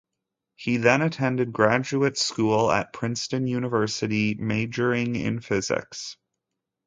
He then attended graduate school at Princeton University, majoring in physics.